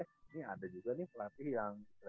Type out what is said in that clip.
ini ada juga nih pelatih yang